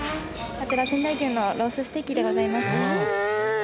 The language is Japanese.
こちら仙台牛のロースステーキでございます。